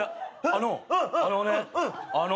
あのあのねあの。